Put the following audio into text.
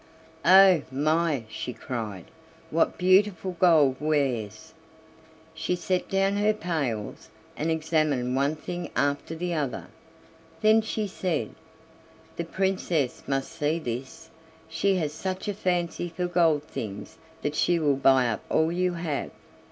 "Oh! my," she cried; "what beautiful gold wares!" she set down her pails, and examined one thing after the other. Then she said: "The Princess must see this, she has such a fancy for gold things that she will buy up all you have."